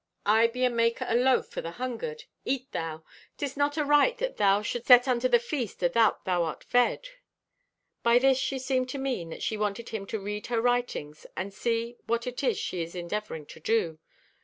I be a maker o' loaf for the hungered. Eat thou. 'Tis not aright that thou shouldst set unto the feast athout thou art fed." By this she seemed to mean that she wanted him to read her writings and see what it is she is endeavoring to do.